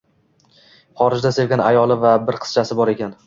Xorijda sevgan ayoli va bir qizchasi bor ekan